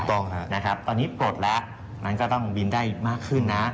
ถูกต้องครับนะครับตอนนี้ปลดแล้วงั้นก็ต้องบินได้มากขึ้นนะ